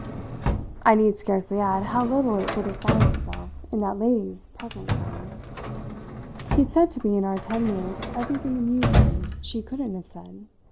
I need scarcely add how little it would have found itself in that lady's present chords. He had said to me in our ten minutes everything amusing she couldn't have said.